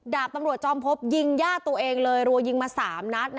ดาบตำรวจจอมพบยิงญาติตัวเองเลยรัวยิงมา๓นัด